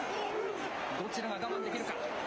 どちらが我慢できるか。